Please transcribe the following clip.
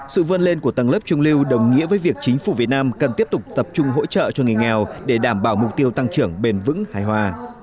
sự vươn lên của tầng lớp trung lưu đồng nghĩa với việc chính phủ việt nam cần tiếp tục tập trung hỗ trợ cho người nghèo để đảm bảo mục tiêu tăng trưởng bền vững hài hòa